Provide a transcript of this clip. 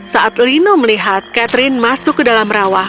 saat lino melihat catherine masuk ke dalam rawa